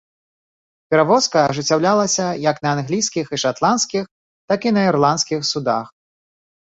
Перавозка ажыццяўлялася як на англійскіх і шатландскіх, так і на ірландскіх судах.